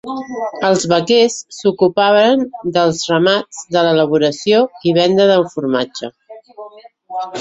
Els vaquers s'ocupaven dels ramats, de l'elaboració i venda del formatge.